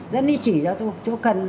dẫn đi chỉ cho chỗ cần